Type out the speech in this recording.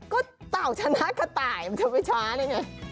ก็เต่าชนะขตา่ยมันจะไปช้าได้ไง